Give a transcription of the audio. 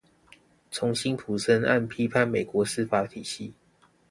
從辛普森案批判美國司法體系